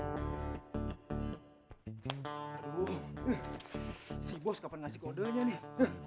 si bos kapan ngasih kodenya nih